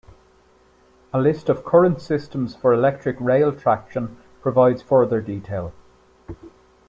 A list of current systems for electric rail traction provides further detail.